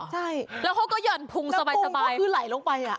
ใช่แล้วเขาก็หย่อนพุงสบายคือไหลลงไป